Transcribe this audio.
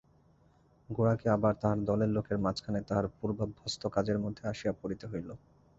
গোরাকে আবার তাহার দলের লোকের মাঝখানে তাহার পূর্বাভ্যস্ত কাজের মধ্যে আসিয়া পড়িতে হইল।